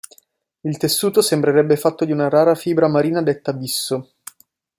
Il tessuto sembrerebbe fatto di una rara fibra marina detta bisso.